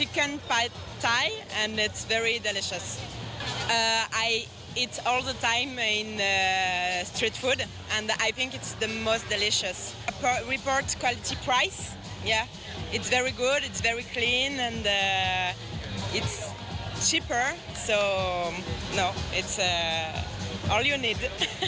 ก็ไม่ใช่มันแค่ต้องมีทุกอย่าง